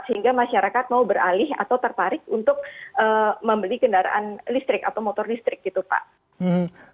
sehingga masyarakat mau beralih atau tertarik untuk membeli kendaraan listrik atau motor listrik gitu pak